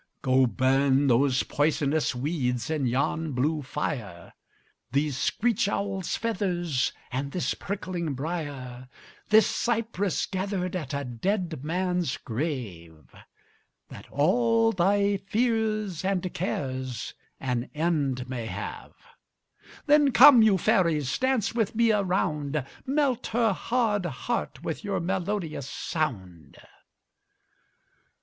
Go burn those poisonous weeds in yon blue fire, These screech owl's feathers and this prickling briar, This cypress gathered at a dead man's grave, That all thy fears and cares an end may have. Then come, you fairies, dance with me a round; Melt her hard heart with your melodious sound.